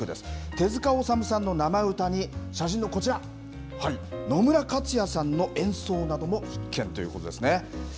手塚治虫さんの生歌に、写真のこちら、野村克也さんの演奏なども必見ということですね。